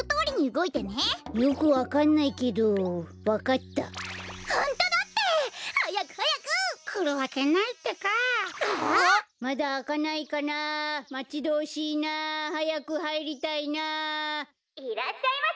「いらっしゃいませ！」。